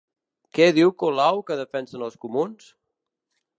Què diu Colau que defensen els Comuns?